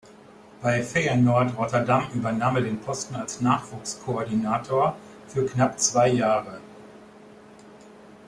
Bei Feyenoord Rotterdam übernahm er den Posten als Nachwuchskoordinator für knapp zwei Jahre.